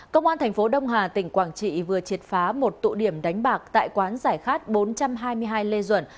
công an thành phố đông hà tỉnh quảng trị vừa triệt phá một tụ điểm đánh bạc tại quán giải khát bốn trăm hai mươi hai lê duẩn